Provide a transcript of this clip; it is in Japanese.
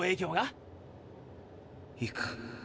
行く？